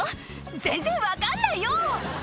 全然分かんないよ！